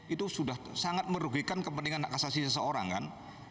itu sudah sangat merugikan kepentingan kasusnya seseorang kan